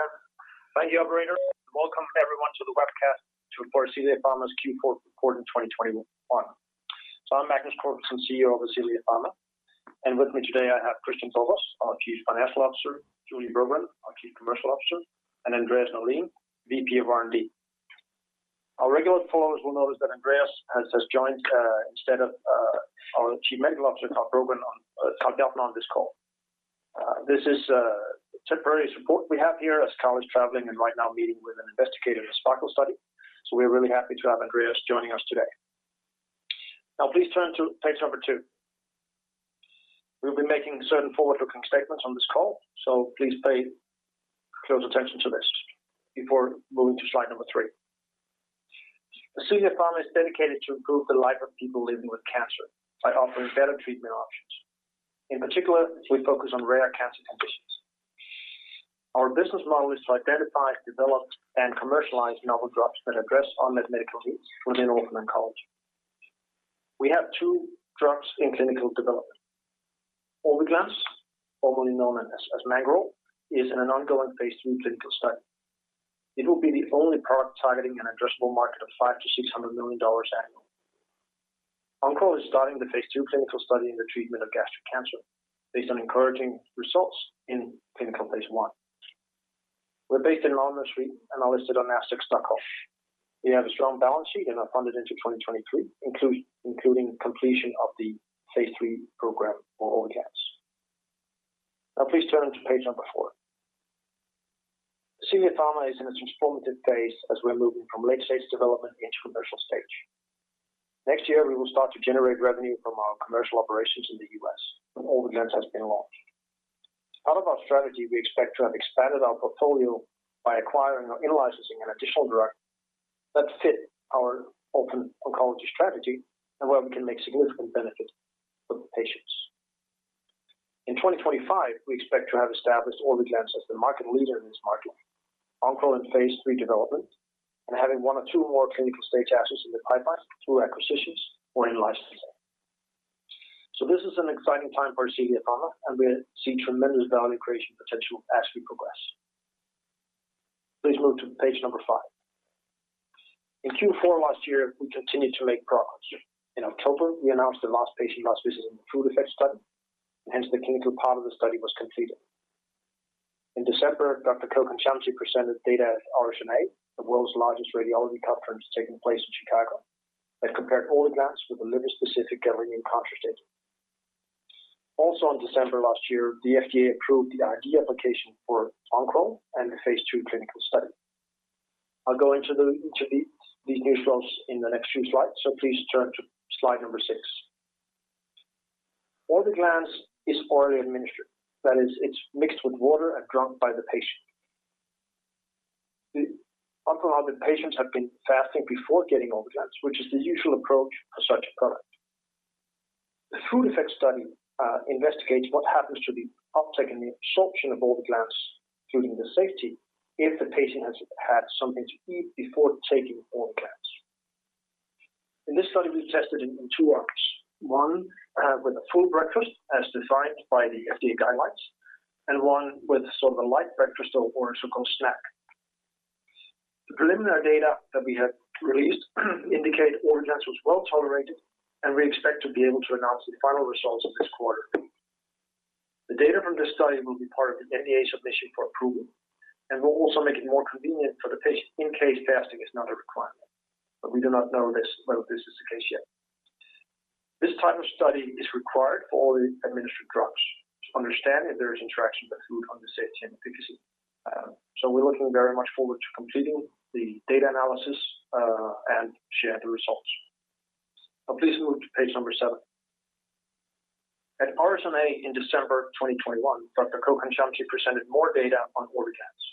Yes. Thank you, operator, and welcome everyone to the webcast to report Ascelia Pharma's Q4 Report in 2021. I'm Magnus Corfitzen, CEO of Ascelia Pharma. With me today, I have Kristian Borbos, our Chief Financial Officer, Julie Waras Brogren, our Chief Commercial Officer, and Andreas Norlin, VP of R&D. Our regular followers will notice that Andreas has joined instead of our Chief Medical Officer, Carl Bjartmar on this call. This is a temporary support we have here as Carl is traveling and right now meeting with an investigator in the SPARKLE study. We're really happy to have Andreas joining us today. Now please turn to page 2. We'll be making certain forward-looking statements on this call, so please pay close attention to this before moving to slide three. Ascelia Pharma is dedicated to improve the life of people living with cancer by offering better treatment options. In particular, we focus on rare cancer conditions. Our business model is to identify, develop, and commercialize novel drugs that address unmet medical needs within orphan oncology. We have two drugs in clinical development. Orviglance, formerly known as Mangoral, is in an ongoing phase III clinical study. It will be the only product targeting an addressable market of $500 million-$600 million annually. Oncoral is starting the phase II clinical study in the treatment of gastric cancer based on encouraging results in phase I. We're based in Malmö, Sweden, and are listed on Nasdaq Stockholm. We have a strong balance sheet and are funded into 2023, including completion of the phase III program for Orviglance. Now please turn to page four. Ascelia Pharma is in its transformative phase as we're moving from late-stage development into commercial stage. Next year, we will start to generate revenue from our commercial operations in the US when Orviglance has been launched. As part of our strategy, we expect to have expanded our portfolio by acquiring or in-licensing an additional drug that fit our orphan oncology strategy and where we can make significant benefit for the patients. In 2025, we expect to have established Orviglance as the market leader in this market, Oncoral in phase III development, and having one or two more clinical-stage assets in the pipeline through acquisitions or in-licensing. This is an exciting time for Ascelia Pharma, and we see tremendous value creation potential as we progress. Please move to page five. In Q4 last year, we continued to make progress. In October, we announced the last patient last visit in the food effect study, and hence the clinical part of the study was completed. In December, Dr. Kohkan Shamsi presented data at RSNA, the world's largest radiology conference taking place in Chicago, that compared Orviglance with a liver-specific gadolinium contrast agent. Also in December last year, the FDA approved the IND application for Oncoral and the phase II clinical study. I'll go into these new drugs in the next few slides, so please turn to slide number six. Orviglance is orally administered, that is, it's mixed with water and drunk by the patient. Up until now, the patients have been fasting before getting Orviglance, which is the usual approach for such a product. The food effect study investigates what happens to the uptake and the absorption of Orviglance, including the safety if the patient has had something to eat before taking Orviglance. In this study, we tested in two arms, one with a full breakfast as defined by the FDA guidelines, and one with sort of a light breakfast or a so-called snack. The preliminary data that we have released indicate Orviglance was well-tolerated, and we expect to be able to announce the final results this quarter. The data from this study will be part of the NDA submission for approval and will also make it more convenient for the patient in case fasting is not a requirement, but we do not know this, whether this is the case yet. This type of study is required for all the administered drugs to understand if there is interaction with food on the safety and efficacy. We're looking very much forward to completing the data analysis and share the results. Now please move to page number seven. At RSNA in December 2021, Dr. Kohkan Shamsi presented more data on Orviglance.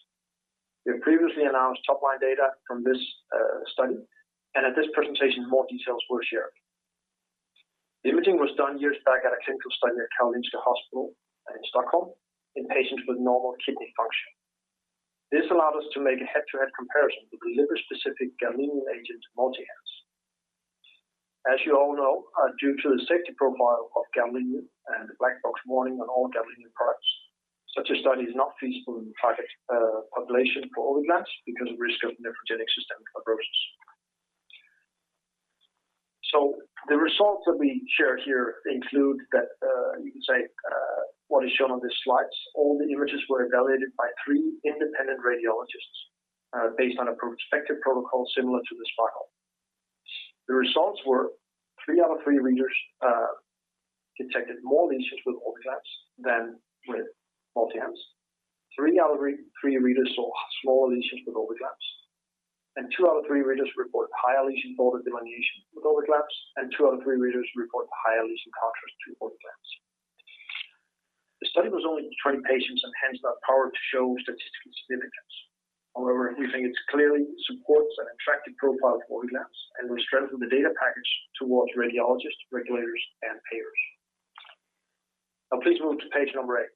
We have previously announced top-line data from this study, and at this presentation, more details were shared. The imaging was done years back at a clinical study at Karolinska Hospital in Stockholm in patients with normal kidney function. This allowed us to make a head-to-head comparison with the liver-specific gadolinium agent MultiHance. As you all know, due to the safety profile of gadolinium and the black box warning on all gadolinium products, such a study is not feasible in the target population for Orviglance because of risk of nephrogenic systemic fibrosis. The results that we share here include that, you can say, what is shown on these slides. All the images were evaluated by three independent radiologists based on a prospective protocol similar to the SPARKLE. The results were three out of three readers detected more lesions with Orviglance than with MultiHance. Three out of three readers saw smaller lesions with Orviglance. Two out of three readers reported higher lesion border delineation with Orviglance, and two out of three readers reported higher lesion contrast to Orviglance. The study was only in 20 patients and hence not powered to show statistical significance. However, we think it clearly supports an attractive profile for Orviglance and will strengthen the data package towards radiologists, regulators, and payers. Now please move to page eight.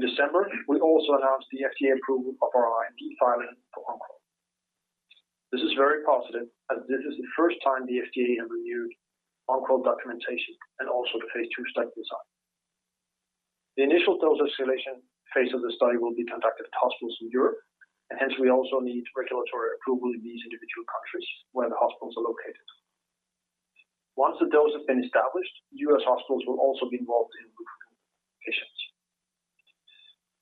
In December, we also announced the FDA approval of our IND filing for Oncoral. This is very positive as this is the first time the FDA have reviewed Oncoral documentation and also the phase II study design. The initial dose escalation phase of the study will be conducted at hospitals in Europe, and hence we also need regulatory approval in these individual countries where the hospitals are located. Once the dose has been established, U.S. hospitals will also be involved in recruitment of patients.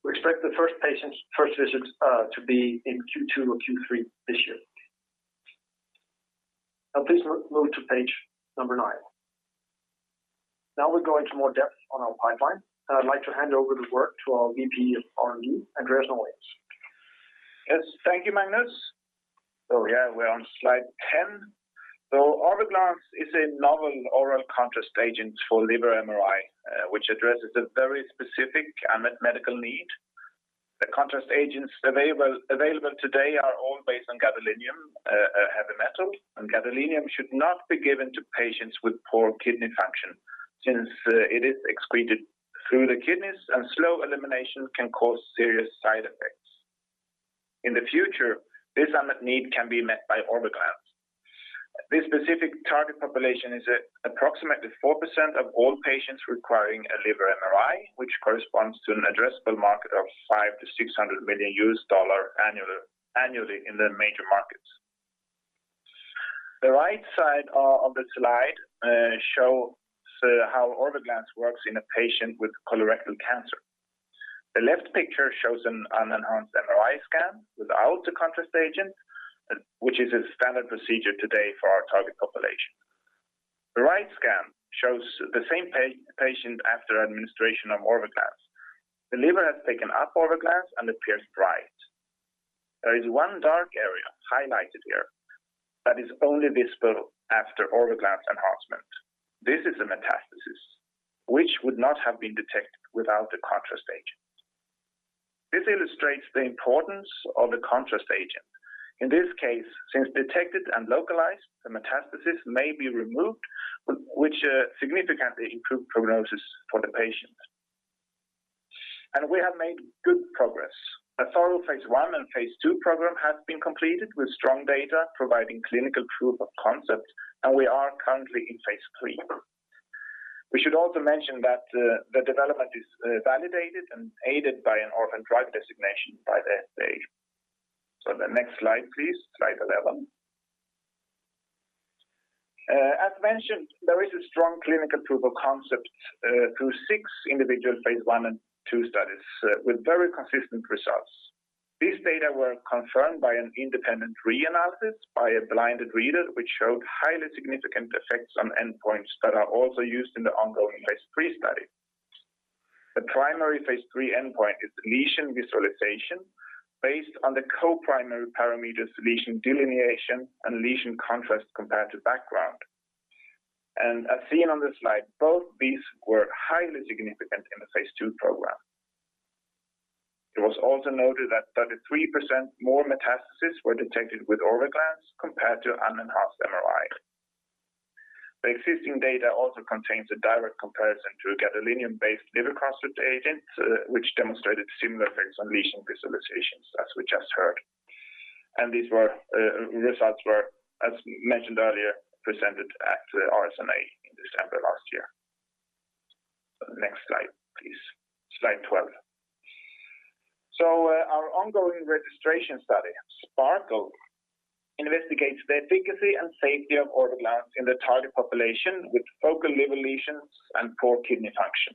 We expect the first patients first visits to be in Q2 or Q3 this year. Now please move to page number nine. Now we go into more depth on our pipeline, and I'd like to hand over the work to our VP of R&D, Andreas Norlin. Yes. Thank you, Magnus. Yeah, we're on slide 10. Orviglance is a novel oral contrast agent for liver MRI, which addresses a very specific unmet medical need. The contrast agents available today are all based on gadolinium, a heavy metal, and gadolinium should not be given to patients with poor kidney function since it is excreted through the kidneys and slow elimination can cause serious side effects. In the future, this unmet need can be met by Orviglance. This specific target population is approximately 4% of all patients requiring a liver MRI, which corresponds to an addressable market of $500 million-$600 million annually in the major markets. The right side of the slide shows how Orviglance works in a patient with colorectal cancer. The left picture shows an unenhanced MRI scan without the contrast agent, which is a standard procedure today for our target population. The right scan shows the same patient after administration of Orviglance. The liver has taken up Orviglance and appears bright. There is one dark area highlighted here that is only visible after Orviglance enhancement. This is a metastasis which would not have been detected without the contrast agent. This illustrates the importance of the contrast agent. In this case, since detected and localized, the metastasis may be removed which significantly improve prognosis for the patient. We have made good progress. A thorough phase I and phase II program has been completed with strong data providing clinical proof of concept, and we are currently in phase III. We should also mention that the development is validated and aided by an orphan drug designation by the FDA. The next slide, please. Slide 11. As mentioned, there is a strong clinical proof of concept through six individual phase I and II studies with very consistent results. These data were confirmed by an independent re-analysis by a blinded reader, which showed highly significant effects on endpoints that are also used in the ongoing phase III study. The primary phase III endpoint is lesion visualization based on the co-primary parameters lesion delineation and lesion contrast compared to background. As seen on the slide, both these were highly significant in the phase II program. It was also noted that 33% more metastases were detected with Orviglance compared to unenhanced MRI. The existing data also contains a direct comparison to a gadolinium-based liver contrast agent, which demonstrated similar effects on lesion visualizations, as we just heard. These results were, as mentioned earlier, presented at RSNA in December last year. Next slide, please. Slide 12. Our ongoing registration study, SPARKLE, investigates the efficacy and safety of Orviglance in the target population with focal liver lesions and poor kidney function.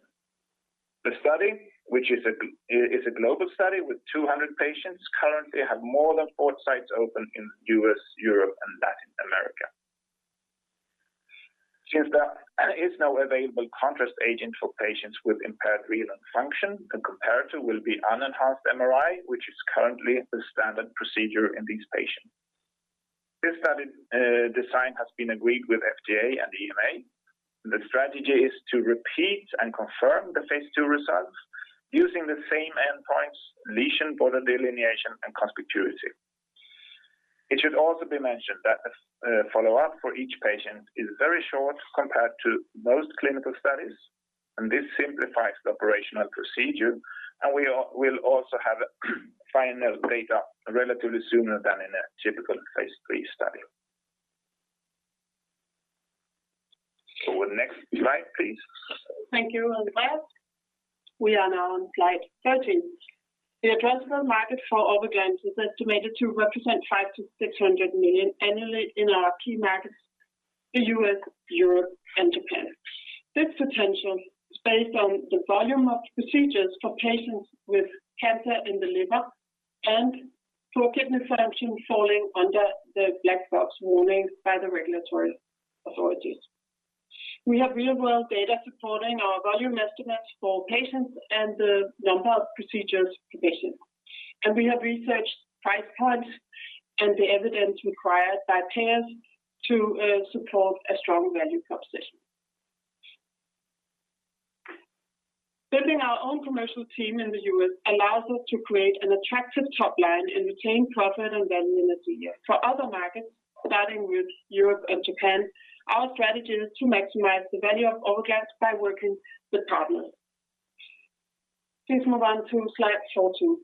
The study, which is a global study with 200 patients, currently have more than four sites open in U.S., Europe, and Latin America. Since there is no available contrast agent for patients with impaired renal function, the comparator will be unenhanced MRI, which is currently the standard procedure in these patients. This study design has been agreed with FDA and EMA. The strategy is to repeat and confirm the phase II results using the same endpoints, lesion border delineation and conspicuity. It should also be mentioned that the follow-up for each patient is very short compared to most clinical studies, and this simplifies the operational procedure, and we will also have final data relatively sooner than in a typical phase III study. Next slide, please. Thank you, Andreas. We are now on slide 13. The addressable market for Orviglance is estimated to represent $500 million-$600 million annually in our key markets, the U.S., Europe, and Japan. This potential is based on the volume of procedures for patients with cancer in the liver and poor kidney function falling under the black box warning by the regulatory authorities. We have real-world data supporting our volume estimates for patients and the number of procedures per patient. We have researched price points and the evidence required by payers to support a strong value proposition. Building our own commercial team in the U.S. allows us to create an attractive top line and retain profit and value in the company. For other markets, starting with Europe and Japan, our strategy is to maximize the value of Orviglance by working with partners. Please move on to slide 14.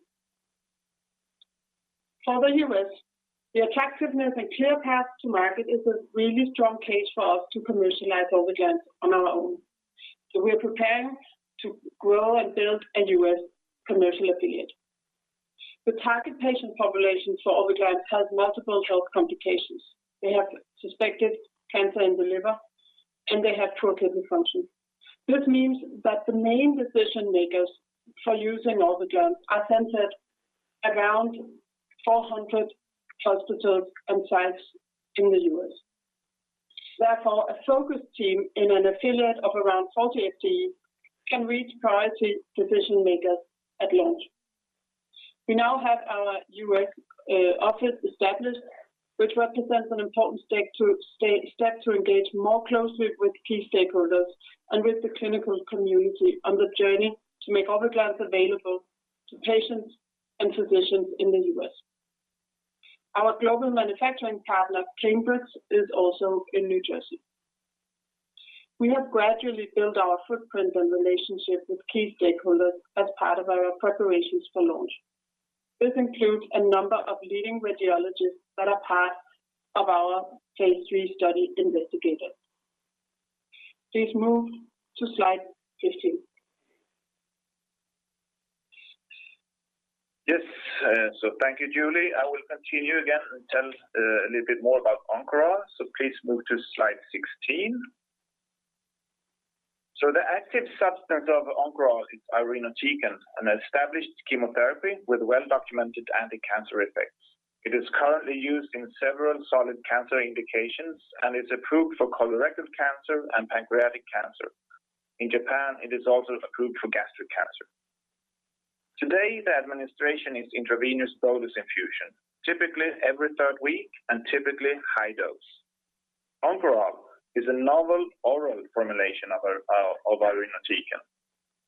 For the U.S., the attractiveness and clear path to market is a really strong case for us to commercialize Orviglance on our own. We are preparing to grow and build a U.S. commercial affiliate. The target patient population for Orviglance has multiple health complications. They have suspected cancer in the liver, and they have poor kidney function. This means that the main decision-makers for using Orviglance are centered around 400 hospitals and sites in the U.S. Therefore, a focus team in an affiliate of around 40 FTE can reach priority decision-makers at launch. We now have our U.S. office established, which represents an important step to engage more closely with key stakeholders and with the clinical community on the journey to make Orviglance available to patients and physicians in the U.S. Our global manufacturing partner, Cambrex, is also in New Jersey. We have gradually built our footprint and relationship with key stakeholders as part of our preparations for launch. This includes a number of leading radiologists that are part of our phase III study investigators. Please move to slide 15. Yes, thank you, Julie. I will continue again and tell a little bit more about Oncoral. Please move to slide 16. The active substance of Oncoral is irinotecan, an established chemotherapy with well-documented anticancer effects. It is currently used in several solid cancer indications and is approved for colorectal cancer and pancreatic cancer. In Japan, it is also approved for gastric cancer. Today, the administration is intravenous bolus infusion, typically every third week and typically high dose. Oncoral is a novel oral formulation of irinotecan.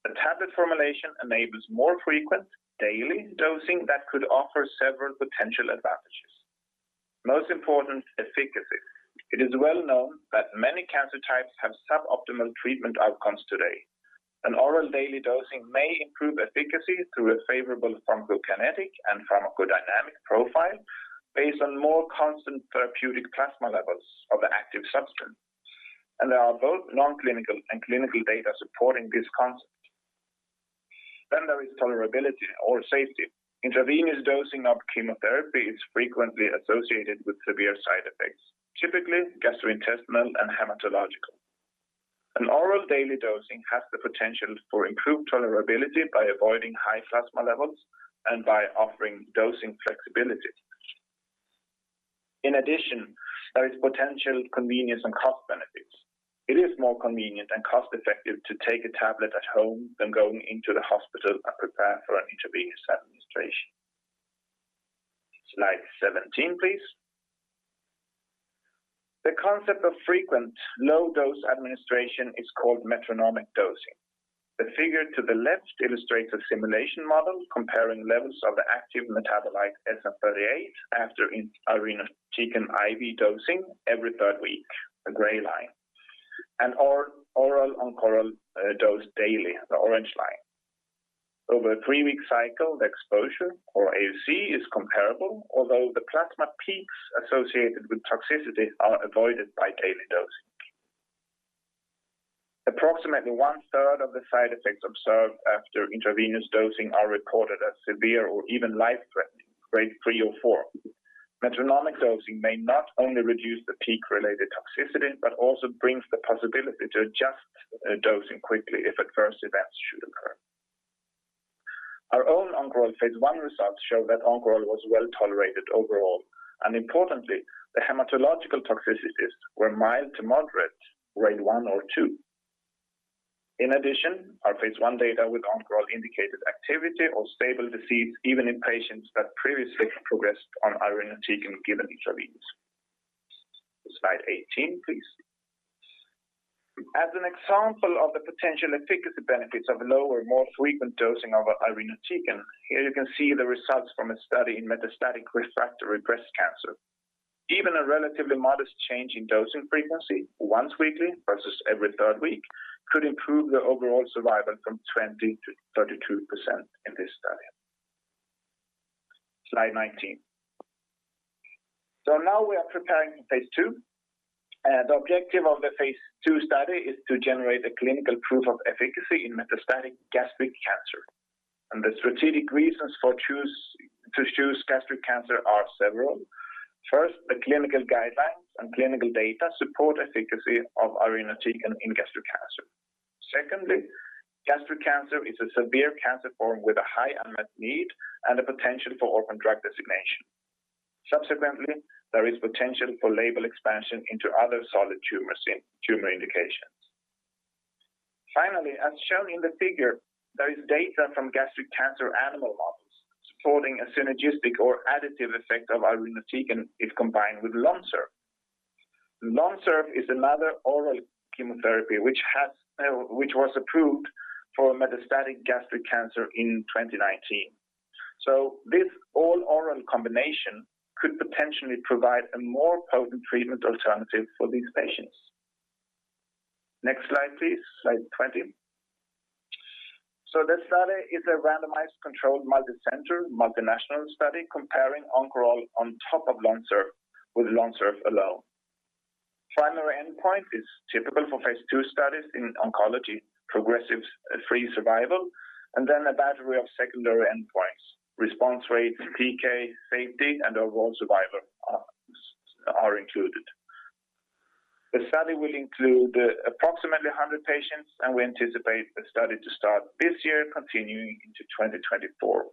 The tablet formulation enables more frequent daily dosing that could offer several potential advantages, most important, efficacy. It is well known that many cancer types have suboptimal treatment outcomes today. An oral daily dosing may improve efficacy through a favorable pharmacokinetic and pharmacodynamic profile based on more constant therapeutic plasma levels of the active substance, and there are both non-clinical and clinical data supporting this concept. There is tolerability or safety. Intravenous dosing of chemotherapy is frequently associated with severe side effects, typically gastrointestinal and hematological. An oral daily dosing has the potential for improved tolerability by avoiding high plasma levels and by offering dosing flexibility. In addition, there is potential convenience and cost benefits. It is more convenient and cost-effective to take a tablet at home than going into the hospital and prepare for an intravenous administration. Slide 17, please. The concept of frequent low-dose administration is called metronomic dosing. The figure to the left illustrates a simulation model comparing levels of the active metabolite SN-38 after irinotecan IV dosing every third week, the gray line, and oral Oncoral dose daily, the orange line. Over a three-week cycle, the exposure or AUC is comparable, although the plasma peaks associated with toxicity are avoided by daily dosing. Approximately 1/3 of the side effects observed after intravenous dosing are recorded as severe or even life-threatening, grade three or four. Metronomic dosing may not only reduce the peak-related toxicity but also brings the possibility to adjust dosing quickly if adverse events should occur. Our own Oncoral phase I results show that Oncoral was well-tolerated overall, and importantly, the hematological toxicities were mild to moderate, grade one or two. In addition, our phase I data with Oncoral indicated activity or stable disease even in patients that previously progressed on irinotecan given intravenously. Slide 18, please. As an example of the potential efficacy benefits of lower, more frequent dosing of irinotecan, here you can see the results from a study in metastatic refractory breast cancer. Even a relatively modest change in dosing frequency, once weekly versus every third week, could improve the overall survival from 20%-32% in this study. Slide 19. We are preparing phase II. The objective of the phase II study is to generate a clinical proof of efficacy in metastatic gastric cancer, and the strategic reasons to choose gastric cancer are several. First, the clinical guidelines and clinical data support efficacy of irinotecan in gastric cancer. Secondly, gastric cancer is a severe cancer form with a high unmet need and a potential for orphan drug designation. Subsequently, there is potential for label expansion into other solid tumors in tumor indications. Finally, as shown in the figure, there is data from gastric cancer animal models supporting a synergistic or additive effect of irinotecan if combined with LONSURF. LONSURF is another oral chemotherapy which was approved for metastatic gastric cancer in 2019. This all-oral combination could potentially provide a more potent treatment alternative for these patients. Next slide, please. Slide 20. This study is a randomized controlled multicenter multinational study comparing Oncoral on top of LONSURF with LONSURF alone. Primary endpoint is typical for phase II studies in oncology progression-free survival, and then a battery of secondary endpoints, response rates, PK, safety, and overall survival are included. The study will include approximately 100 patients, and we anticipate the study to start this year, continuing into 2024.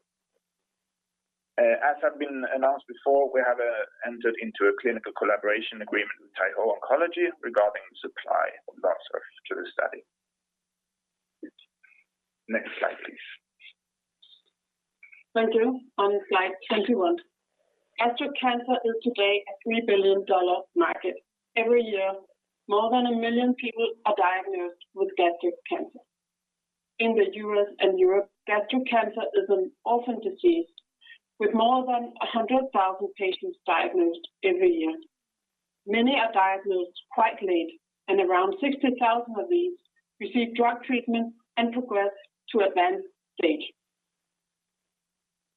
As have been announced before, we have entered into a clinical collaboration agreement with Taiho Oncology regarding supply of LONSURF to the study. Next slide, please. Thank you. On slide 21. Gastric cancer is today a $3 billion market. Every year, more than 1 million people are diagnosed with gastric cancer. In the U.S. and Europe, gastric cancer is an orphan disease with more than 100,000 patients diagnosed every year. Many are diagnosed quite late, and around 60,000 of these receive drug treatment and progress to advanced stage.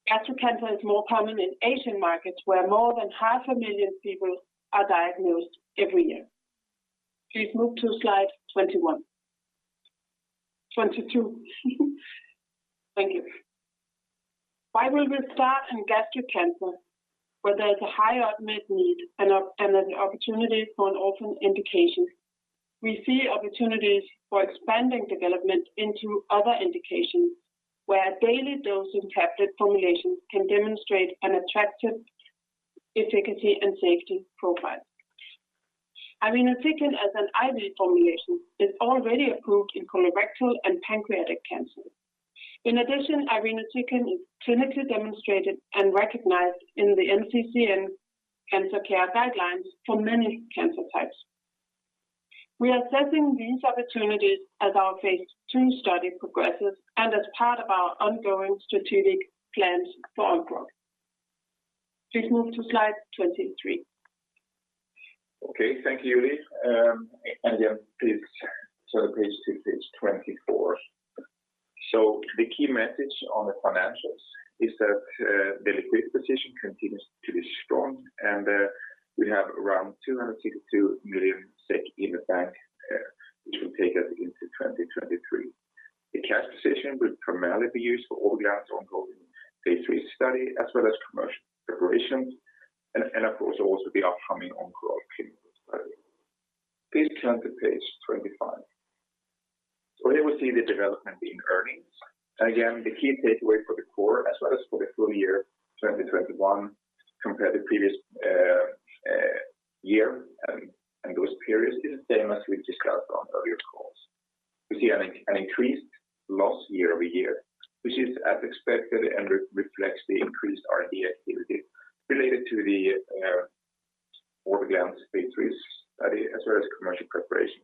Gastric cancer is more common in Asian markets, where more than 500,000 people are diagnosed every year. Please move to slide 21. 22. Thank you. Why will we start in gastric cancer where there is a high unmet need and an opportunity for an open indication? We see opportunities for expanding development into other indications where a daily dose in tablet formulations can demonstrate an attractive efficacy and safety profile. Irinotecan as an IV formulation is already approved in colorectal and pancreatic cancer. In addition, irinotecan is clinically demonstrated and recognized in the NCCN cancer care guidelines for many cancer types. We are assessing these opportunities as our phase II study progresses and as part of our ongoing strategic plans for our growth. Please move to slide 23. Okay. Thank you, Julie. Please turn to page 24. The key message on the financials is that the liquid position continues to be strong and we have around 262 million in the bank, which will take us into 2023. The cash position will primarily be used for ongoing phase III study as well as commercial preparations and, of course, also the upcoming Oncoral clinical study. Please turn to page 25. Here we see the development in earnings. Again, the key takeaway for the core as well as for the full year 2021 compared to previous year and those periods is the same as we discussed on earlier calls. We see an increased loss year-over-year, which is as expected and reflects the increased R&D activity related to the Orviglance phase III study as well as commercial preparation,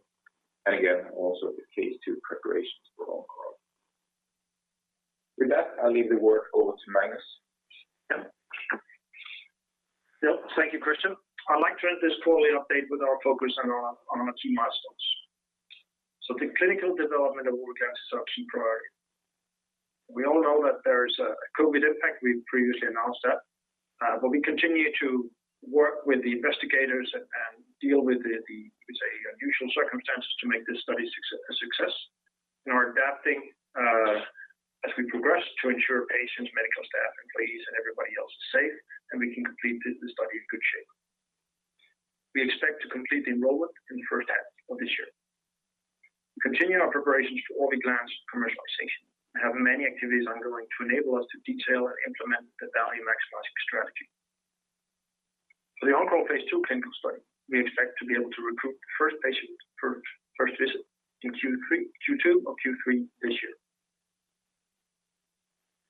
and again, also the phase II preparations for Oncoral. With that, I'll leave the word over to Magnus. Yeah. Thank you, Kristian. I'd like to end this quarterly update with our focus on our two milestones. The clinical development of Orviglance is our key priority. We all know that there is a COVID impact. We've previously announced that, but we continue to work with the investigators and deal with the unusual circumstances to make this study a success. We're adapting as we progress to ensure patients, medical staff, employees and everybody else is safe, and we can complete the study in good shape. We expect to complete the enrollment in the first half of this year. We continue our preparations for Orviglance's commercialization and have many activities ongoing to enable us to detail and implement the value-maximizing strategy. For the Oncoral phase II clinical study, we expect to be able to recruit the first patient for first visit in Q2 or Q3 this year.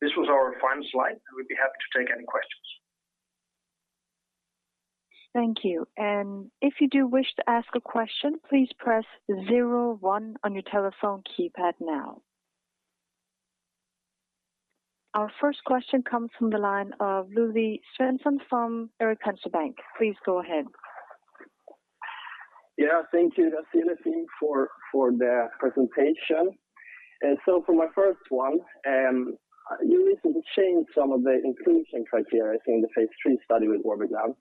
This was our final slide, and we'd be happy to take any questions. Thank you. If you do wish to ask a question, please press zero one on your telephone keypad now. Our first question comes from the line of Ludwig Andersson from Erik Penser Bank. Please go ahead. Yeah. Thank you. That's the only thing for the presentation. For my first one, you recently changed some of the inclusion criteria in the phase III study with Mangoral.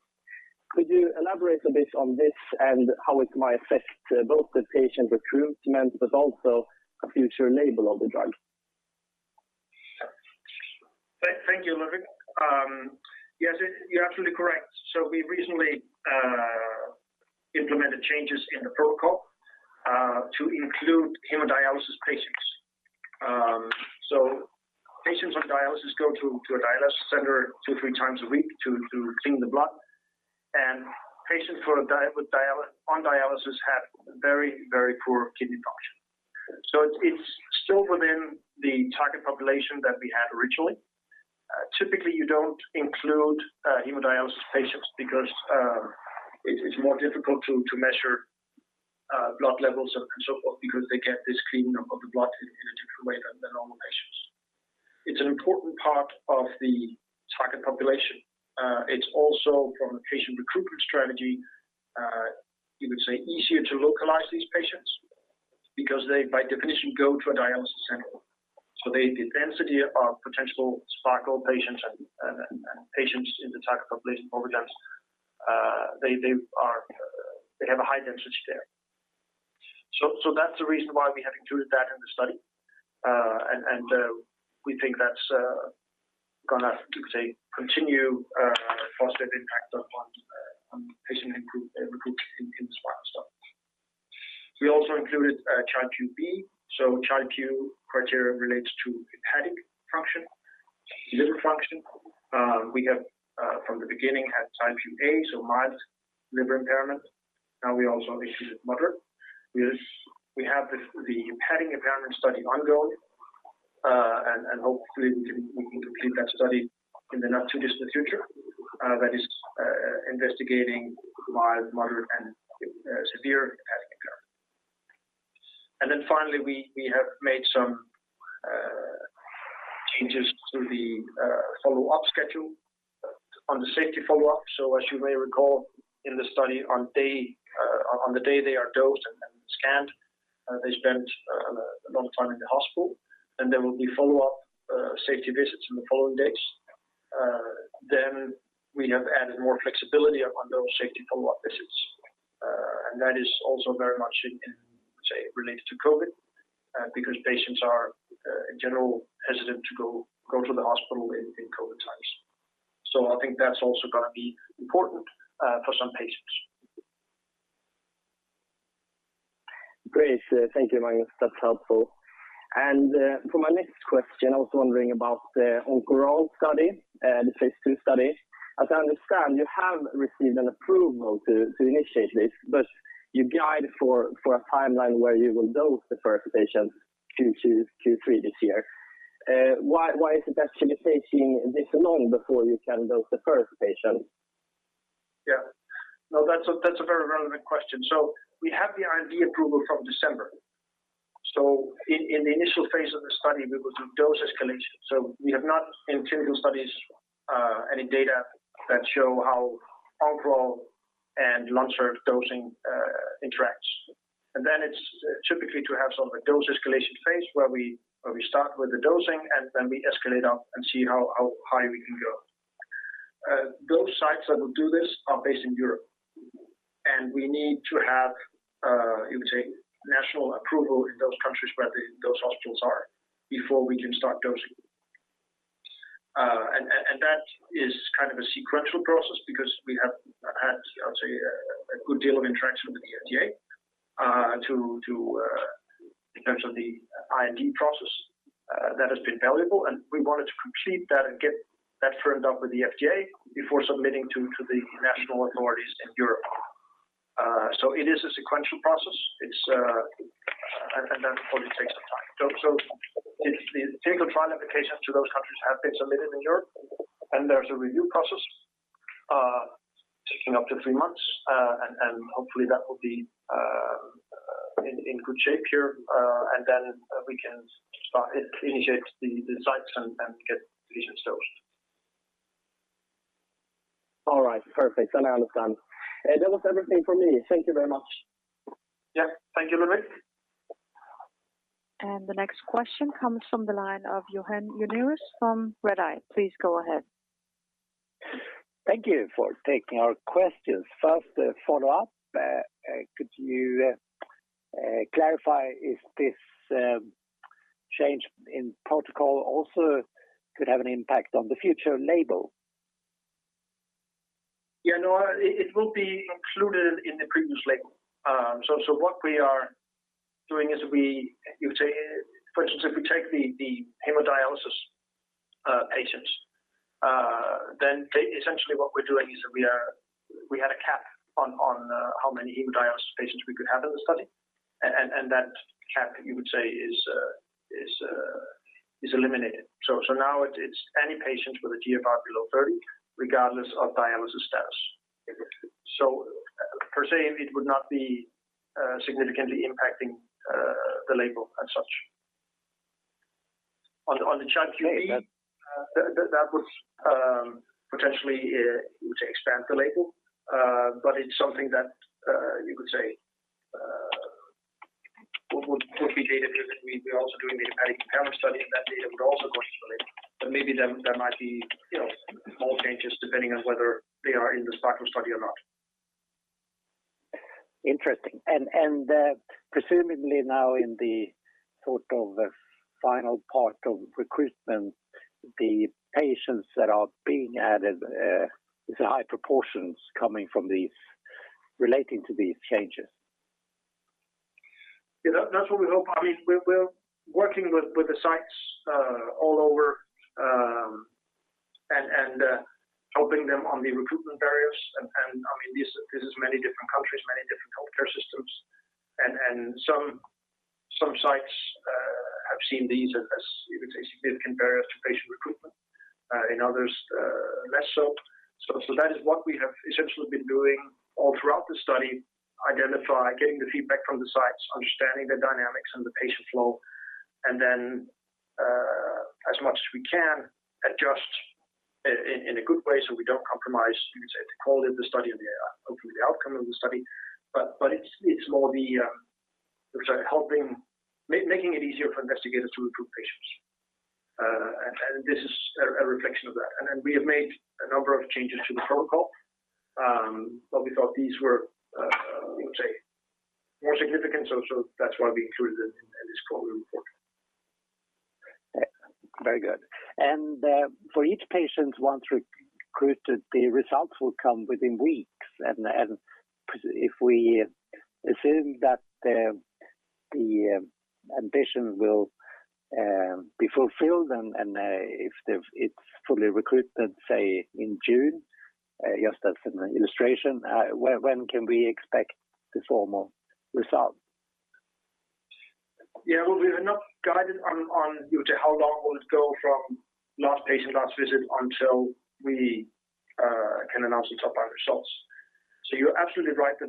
Could you elaborate a bit on this and how it might affect both the patient recruitment but also a future label of the drug? Thank you, Ludwig. Yes, you're absolutely correct. We recently implemented changes in the protocol to include hemodialysis patients. Patients on dialysis go to a dialysis center two-three times a week to clean the blood. Patients on dialysis have very poor kidney function. It's still within the target population that we had originally. Typically you don't include hemodialysis patients because it's more difficult to measure blood levels and so forth because they get this cleaning of the blood in a different way than the normal patient. It's an important part of the target population. It's also, from a patient recruitment strategy, you would say, easier to localize these patients because they, by definition, go to a dialysis center. The density of potential SPARKLE patients and patients in the target population for Orviglance, they have a high density there. That's the reason why we have included that in the study. We think that's gonna, you could say, continue positive impact upon on patient recruitment in the SPARKLE study. We also included Child-Pugh B. Child-Pugh criteria relates to hepatic function, liver function. We have, from the beginning, had Child-Pugh A, so mild liver impairment. Now we also included moderate. We have the hepatic impairment study ongoing, and hopefully, we can complete that study in the not too distant future, that is investigating mild, moderate, and severe hepatic impairment. Finally, we have made some changes to the follow-up schedule on the safety follow-up. As you may recall in the study on the day they are dosed and scanned, they spend a long time in the hospital, and there will be follow-up safety visits in the following days. We have added more flexibility on those safety follow-up visits. That is also very much in, say, related to COVID because patients are in general hesitant to go to the hospital in COVID times. I think that's also gonna be important for some patients. Great. Thank you, Magnus. That's helpful. For my next question, I was wondering about the Oncoral study, the phase II study. As I understand, you have received an approval to initiate this, but you guide for a timeline where you will dose the first patient Q2, Q3 this year. Why is it that you're taking this long before you can dose the first patient? Yeah. No, that's a very relevant question. We have the IND approval from December. In the initial phase of the study, we will do dose escalation. We have not in clinical studies any data that show how Oncoral and long-term dosing interacts. It's typically to have sort of a dose escalation phase where we start with the dosing, and then we escalate up and see how high we can go. Those sites that will do this are based in Europe, and we need to have you could say, national approval in those countries where those hospitals are before we can start dosing. That is kind of a sequential process because we have had, I would say, a good deal of interaction with the FDA in terms of the IND process that has been valuable. We wanted to complete that and get that firmed up with the FDA before submitting to the national authorities in Europe. It is a sequential process. Probably takes some time. The single trial applications to those countries have been submitted in Europe, and there's a review process taking up to three months. Hopefully, that will be in good shape here, and then we can initiate the sites and get patients dosed. All right. Perfect. I understand. That was everything for me. Thank you very much. Yeah. Thank you, Ludwig. The next question comes from the line of Johan Unnérus from Redeye. Please go ahead. Thank you for taking our questions. First, a follow-up. Could you clarify if this change in protocol also could have an impact on the future label? Yeah, no, it will be included in the previous label. What we are doing is, you would say, for instance, if we take the hemodialysis patients, then essentially what we're doing is we had a cap on how many hemodialysis patients we could have in the study. That cap, you would say, is eliminated. Now it's any patient with a GFR below 30, regardless of dialysis status. Per se, it would not be significantly impacting the label as such. On the Child-Pugh A, that would potentially, you would say, expand the label. It's something that you could say would be data-driven. We're also doing the hepatic impairment study, and that data would also go into the label. Maybe there might be, you know, small changes depending on whether they are in the SPARKLE study or not. Interesting. Presumably now in the sort of final part of recruitment, the patients that are being added is a high proportions coming from these, relating to these changes. Yeah, that's what we hope. I mean, we're working with the sites all over and helping them on the recruitment barriers. I mean, this is many different countries, many different healthcare systems. Some sites have seen these as you could say significant barriers to patient recruitment. In others, less so. That is what we have essentially been doing all throughout the study, identifying, getting the feedback from the sites, understanding the dynamics and the patient flow, and then as much as we can adjust in a good way so we don't compromise, you could say the quality of the study and hopefully the outcome of the study. It's more the sort of helping making it easier for investigators to recruit patients. This is a reflection of that. We have made a number of changes to the protocol, but we thought these were, you could say more significant. That's why we included it in this call report. Very good. For each patient once recruited, the results will come within weeks. Then if we assume that the ambition will be fulfilled and if it's fully recruited, say in June, just as an illustration, when can we expect the formal results? Yeah. Well, we are not guided on you know how long will it go from last patient last visit until we can announce the top-line results. You're absolutely right that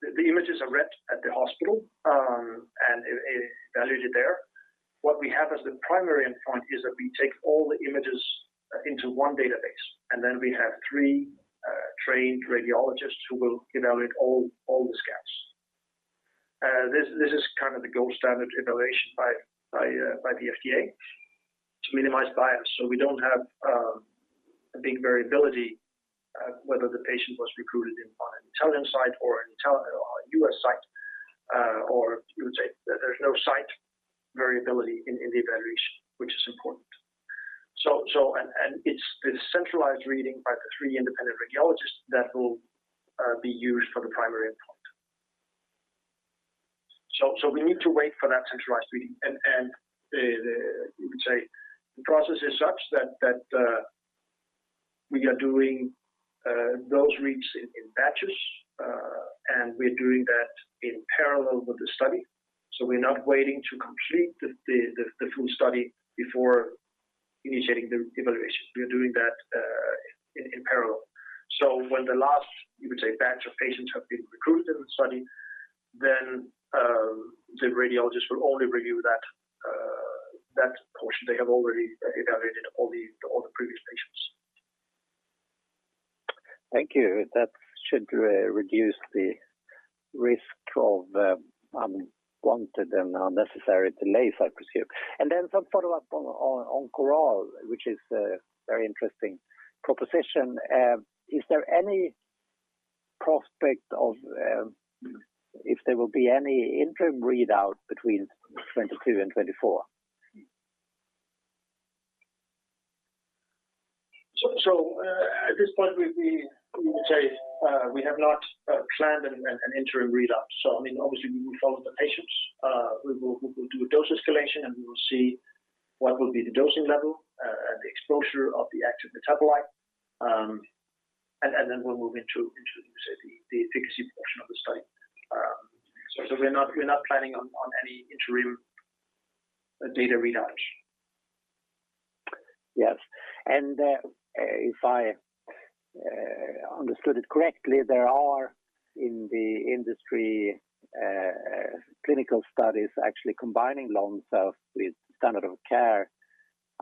the images are read at the hospital and evaluated there. What we have as the primary endpoint is that we take all the images into one database, and then we have three trained radiologists who will evaluate all the scans. This is kind of the gold standard evaluation by the FDA to minimize bias. We don't have a big variability whether the patient was recruited on an Italian site or a U.S. site, or you could say there's no site variability in the evaluation, which is important. It's this centralized reading by the three independent radiologists that will be used for the primary endpoint. We need to wait for that centralized reading. You could say the process is such that we are doing those reads in batches. We're doing that in parallel with the study. We're not waiting to complete the full study before initiating the evaluation. We are doing that in parallel. When the last, you could say, batch of patients have been recruited in the study, then the radiologist will only review that portion. They have already evaluated all the previous patients. Thank you. That should reduce the risk of unwanted and unnecessary delays, I presume. Some follow-up on Oncoral, which is a very interesting proposition. Is there any prospect of if there will be any interim readout between 2022 and 2024? At this point we would say we have not planned an interim readout. I mean, obviously we will follow the patients. We will do a dose escalation, and we will see what will be the dosing level, the exposure of the active metabolite. Then we'll move into the efficacy portion of the study. We're not planning on any interim data readouts. Yes. If I understood it correctly, there are in the industry clinical studies actually combining LONSURF with standard of care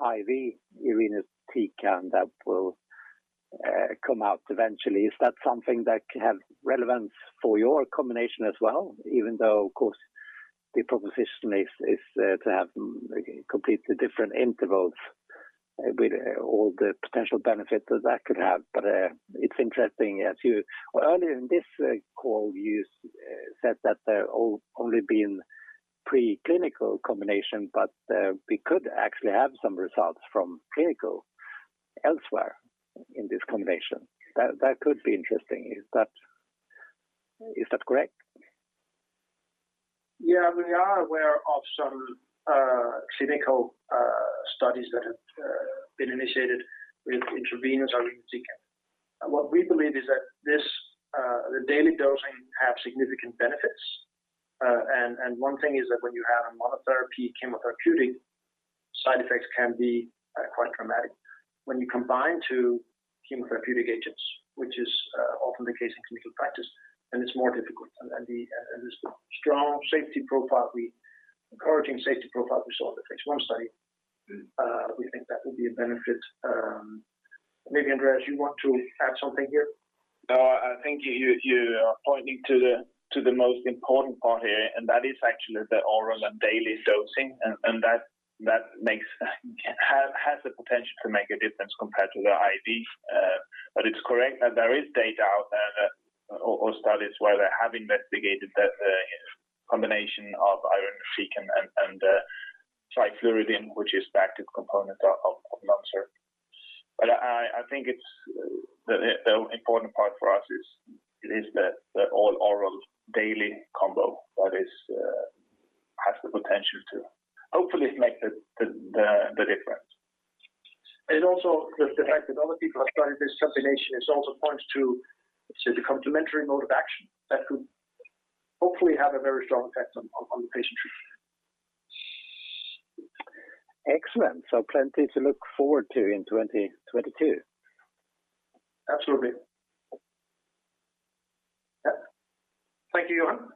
IV irinotecan that will come out eventually. Is that something that could have relevance for your combination as well? Even though of course the proposition is to have completely different intervals with all the potential benefit that that could have. It's interesting. Well, earlier in this call you said that there only been preclinical combination, but we could actually have some results from clinical elsewhere in this combination. That could be interesting. Is that correct? Yeah. We are aware of some clinical studies that have been initiated with intravenous irinotecan. What we believe is that this, the daily dosing have significant benefits. One thing is that when you have a monotherapy chemotherapeutic, side effects can be quite dramatic. When you combine two chemotherapeutic agents, which is often the case in clinical practice, then it's more difficult. This encouraging safety profile we saw in the phase I study, we think that will be a benefit. Maybe Andreas, you want to add something here? No, I think you are pointing to the most important part here, and that is actually the oral and daily dosing. That has the potential to make a difference compared to the IV. But it's correct that there is data out there, or studies where they have investigated that combination of irinotecan and trifluridine, which is the active component of LONSURF. I think it's the important part for us is the all oral daily combo that has the potential to hopefully make the difference. Also the fact that other people have studied this combination also points to the complementary mode of action that hopefully have a very strong effect on the patient treatment. Excellent. Plenty to look forward to in 2022. Absolutely. Yeah. Thank you, Johan.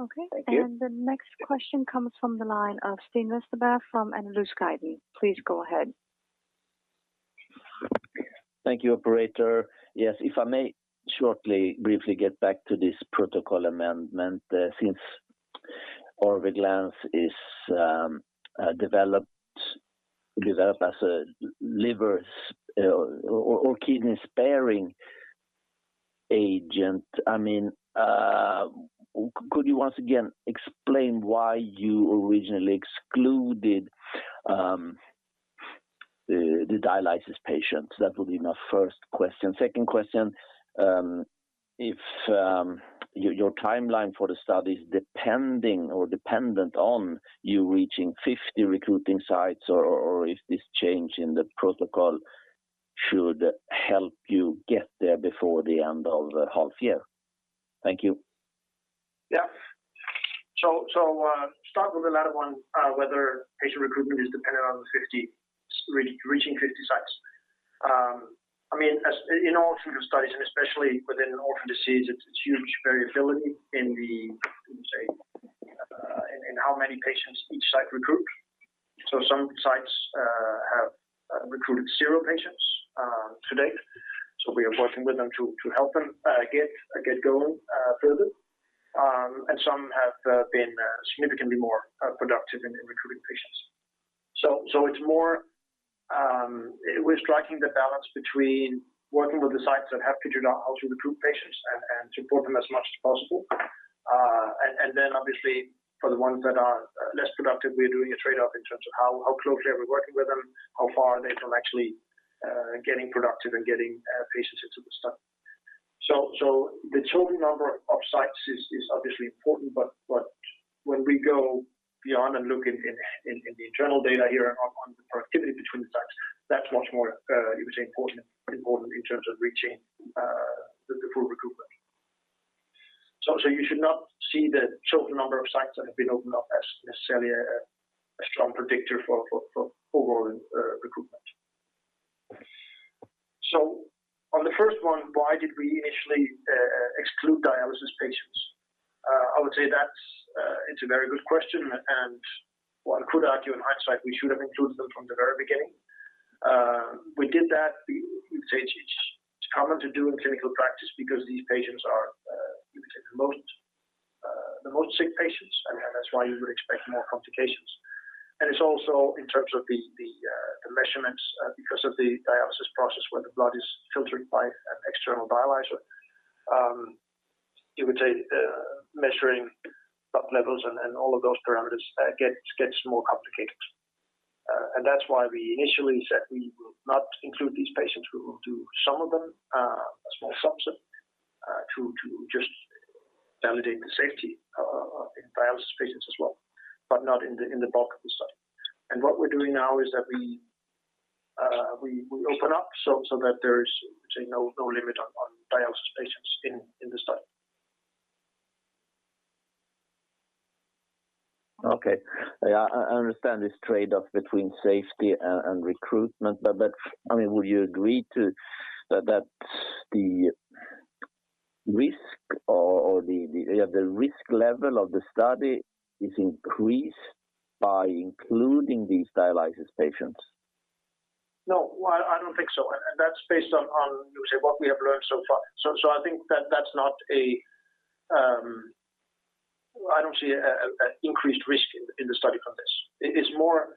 Okay. Thank you. The next question comes from the line of Sten Westerberg from Analysguiden. Please go ahead. Thank you, operator. Yes. If I may shortly briefly get back to this protocol amendment, since Orviglance is developed as a liver or kidney sparing agent, I mean, could you once again explain why you originally excluded the dialysis patients? That will be my first question. Second question, if your timeline for the study is depending or dependent on you reaching 50 recruiting sites or if this change in the protocol should help you get there before the end of the half year. Thank you. Start with the latter one, whether patient recruitment is dependent on reaching 50 sites. I mean, as in all clinical studies, and especially within an orphan disease, it's huge variability in the, let me say, in how many patients each site recruit. Some sites have recruited zero patients to date. We are working with them to help them get going further. Some have been significantly more productive in recruiting patients. It's more, we're striking the balance between working with the sites that have figured out how to recruit patients and support them as much as possible. Obviously for the ones that are less productive, we're doing a trade-off in terms of how closely are we working with them, how far are they from actually getting productive and getting patients into the study. The total number of sites is obviously important, but when we go beyond and look in the internal data here on the productivity between the sites, that's much more you would say important in terms of reaching the full recruitment. You should not see the total number of sites that have been opened up as necessarily a strong predictor for overall recruitment. On the first one, why did we initially exclude dialysis patients? I would say that's a very good question, and one could argue in hindsight, we should have included them from the very beginning. We did that. We would say it's common to do in clinical practice because these patients are you would say the most sick patients, and that's why you would expect more complications. It's also in terms of the measurements because of the dialysis process where the blood is filtered by an external dialyzer, you would say measuring levels and all of those parameters gets more complicated. That's why we initially said we will not include these patients. We will do some of them, a small subset to just validate the safety in dialysis patients as well, but not in the bulk of the study. What we're doing now is that we open up so that there's, say, no limit on dialysis patients in the study. Okay. Yeah. I understand this trade-off between safety and recruitment. I mean, would you agree to that the risk or the risk level of the study is increased by including these dialysis patients? No. Well, I don't think so. That's based on what we have learned so far. I think that's not. I don't see an increased risk in the study from this. It is more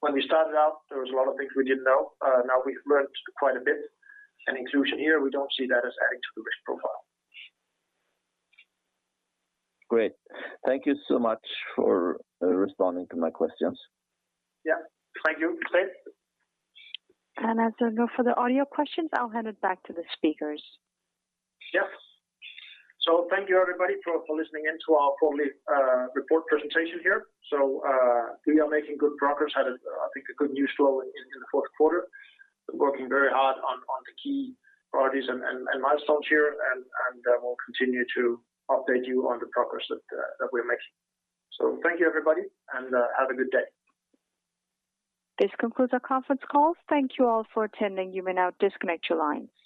when we started out, there was a lot of things we didn't know. Now we've learned quite a bit. Inclusion here, we don't see that as adding to the risk profile. Great. Thank you so much for responding to my questions. Yeah. Thank you. Please. As there are no further audio questions, I'll hand it back to the speakers. Yes. Thank you, everybody, for listening in to our quarterly report presentation here. We are making good progress. We had, I think, a good news flow in the fourth quarter. We are working very hard on the key priorities and milestones here. We'll continue to update you on the progress that we're making. Thank you, everybody, and have a good day. This concludes our conference call. Thank you all for attending. You may now disconnect your lines.